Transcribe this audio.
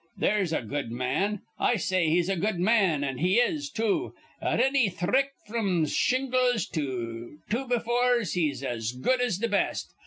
There's a good man. I say he's a good man. An' he is, too. At anny thrick fr'm shingles to two be fours he's as good as th' best.